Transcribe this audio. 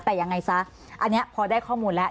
แต่ยังไงซะอันนี้พอได้ข้อมูลแล้ว